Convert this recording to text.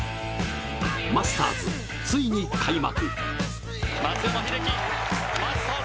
マスターズ、ついに開幕。